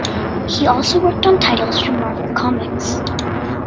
He also worked on titles for Marvel Comics.